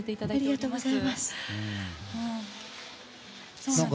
ありがとうございます。